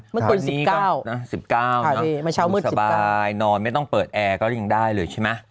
เมื่อก่น๑๙มาเช้าเมือง๑๙สบายนอนไม่ต้องเปิดแอร์ก็ยังได้เลยใช่ไหม